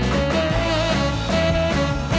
รับทราบ